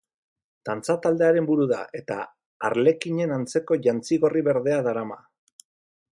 Dantza-taldearen buru da, eta arlekinen antzeko jantzi gorri-berdea darama.